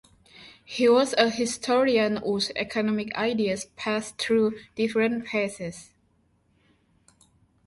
He was a historian whose economic ideas passed through different phases.